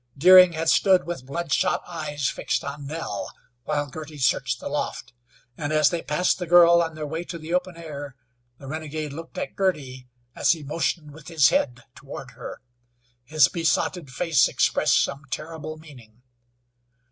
Deering had stood with bloodshot eyes fixed on Nell while Girty searched the loft, and as they passed the girl on their way to the open air, the renegade looked at Girty as he motioned with his head toward her. His besotted face expressed some terrible meaning.